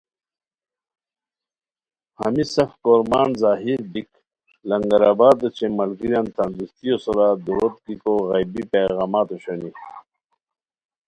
ہمی سف کورمان ظاہر بیک لنگر آباداو چے ملگیریان تندرستیو سورا دُوروت گیکو غیبی پیغامات اوشونی